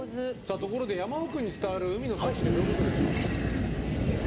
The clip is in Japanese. ところで山奥に伝わる海の幸ってどういうことですか？